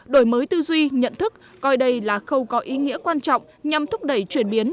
đổi mới tư duy nhận thức coi đây là khâu có ý nghĩa quan trọng nhằm thúc đẩy chuyển biến